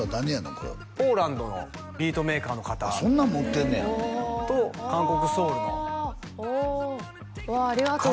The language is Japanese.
これポーランドのビートメーカーの方そんなん持ってんねやと韓国ソウルのおおわあありがとうございます